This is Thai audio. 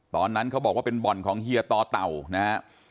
ตอนนั้นเขาบอกว่าเป็นบ่อนของเฮียต่อเต่านะฮะ